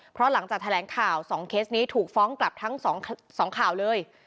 เพราะหลังจากแถลงข่าว๒เคสนี้ถูกฟ้องกลับทั้ง๒ข่าวเลย